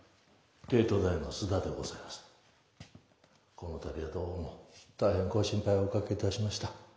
この度はどうも大変ご心配おかけいたしました。